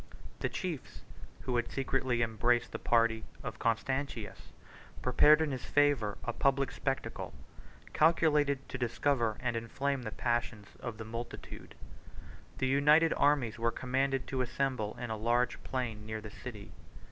The chiefs, who had secretly embraced the party of Constantius, prepared in his favor a public spectacle, calculated to discover and inflame the passions of the multitude. 77 The united armies were commanded to assemble in a large plain near the city.